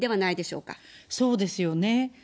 そうですよね。